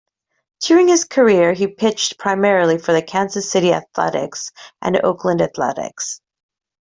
During his career, he pitched primarily for the Kansas City Athletics and Oakland Athletics.